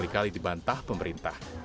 kali kali dibantah pemerintah